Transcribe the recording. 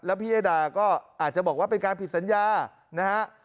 พี่ยดาก็อาจจะบอกว่าเป็นการผิดสัญญานะฮะ